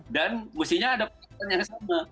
dan mestinya ada periksaan yang sama